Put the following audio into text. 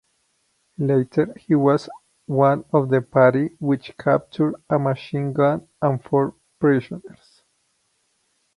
Later he was one of the party which captured a machine-gun and four prisoners.